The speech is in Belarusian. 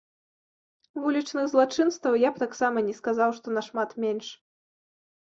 Вулічных злачынстваў я б таксама не сказаў, што нашмат менш.